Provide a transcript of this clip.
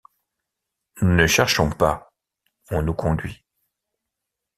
Nous ne cherchons pas, on nous conduit.